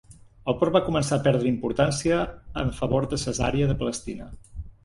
El port va començar a perdre importància en favor de Cesarea de Palestina.